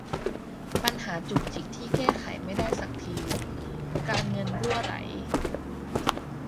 ปัญหาจุกจิกที่แก้ไขไม่ได้สักที การเงินรั่วไหล